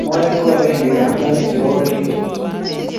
Moet ko agenge abutanik chebo orit